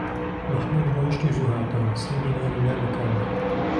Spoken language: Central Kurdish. مەحموود ڕۆیشت و زوو هاتەوە، سێ دیناری دا بە کابرا